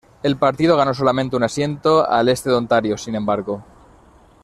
El partido ganó solamente un asiento al este de Ontario, sin embargo.